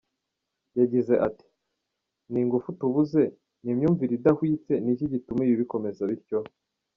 Yagize ati “Ni ingufu tubuze? Ni imyumvire idahwitse? Ni iki gituma ibi bikomeza bityo?”.